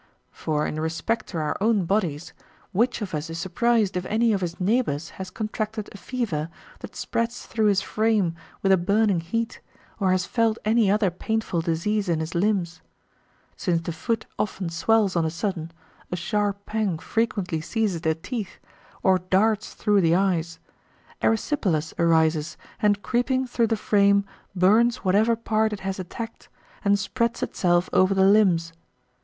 For, in respect to our own bodies, which of us is surprised if any of his neighbours has contracted a fever, that spreads through his frame with a burning heat, or has felt any other painful disease in his limbs ? Since the foot often swells on a sudden; a sharp pang frequently seizes the teeth, or darts through the eyes ; erysipelas arises, and, creeping through the frame, bums whatever part it has attacked, and spreads itself over the limbs.